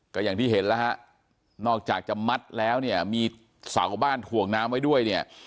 ก็อย่างที่เห็นแล้วฮะนอกจากจะมัดแล้วเนี่ยมีเสาบ้านถ่วงน้ำไว้ด้วยเนี่ย